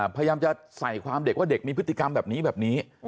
พยายามจะใส่ความเด็กว่าเด็กมีพฤติกรรมแบบนี้แบบนี้